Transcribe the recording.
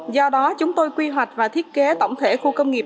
do đó chúng tôi quy hoạch và thiết kế tổng thể khu công nghiệp